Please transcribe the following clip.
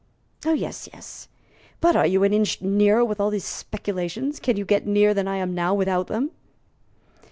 "Yes, yes. But are you an inch nearer with all these speculations? Can you get nearer than I am now without them?"